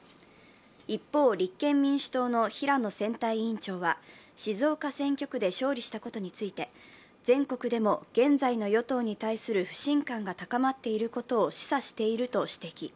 一方、立憲民主党の平野選対委員長は、静岡選挙区で勝利したことについて全国でも現在の与党に対する不信感が高まっていることを示唆していると指摘。